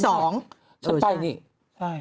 อ๋อวันที่๒นี้